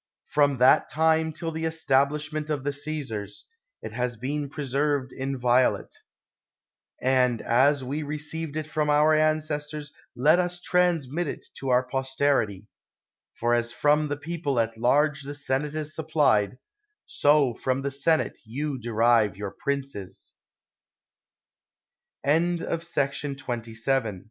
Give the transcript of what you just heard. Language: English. From that time till the establishment of the Caesars, it has been preserved inviolate ; and as we received it from our ancestors, let us transmit it to our posterity; for as from the people at large the senate is supplied, so from the senate